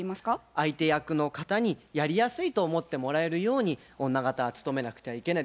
相手役の方にやりやすいと思ってもらえるように女形はつとめなくてはいけない。